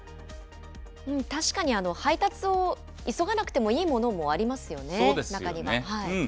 確かに配達を急がなくてもいいものもありますよね、そうですね。